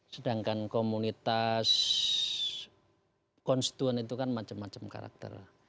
sedangkan komunitas konstituen itu kan macam macam karakter